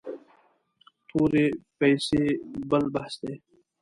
تورې پیسې بل بحث دی.